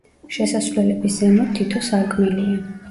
შესასვლელების ზემოთ თითო სარკმელია.